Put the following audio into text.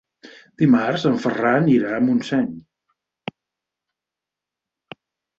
Dimarts en Ferran irà a Montseny.